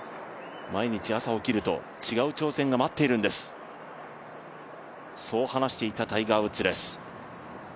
毎日朝起きると、違う挑戦が待っているんです、そう話していたタイガー・ウッズです。